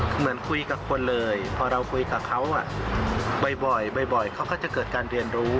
เหมือนคุยกับคนเลยพอเราคุยกับเขาบ่อยเขาก็จะเกิดการเรียนรู้